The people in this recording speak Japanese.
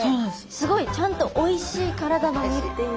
すごいちゃんとおいしい体の身っていう。